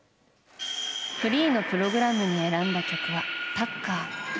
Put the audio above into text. フリーのプログラムに選んだ曲は「タッカー」。